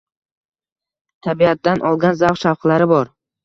Tabiatdan olgan zavq-shavqlar bor.